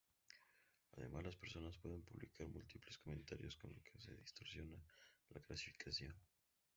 Además, las personas pueden publicar múltiples comentarios, con lo que se distorsiona la clasificación.